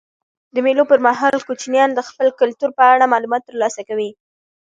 د مېلو پر مهال کوچنيان د خپل کلتور په اړه معلومات ترلاسه کوي.